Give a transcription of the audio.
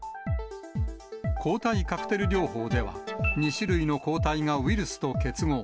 抗体カクテル療法では、２種類の抗体がウイルスと結合。